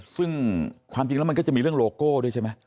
ซึ่งความจริงแล้วมันก็จะมีเรื่องโลโก้ด้วยใช่ไหม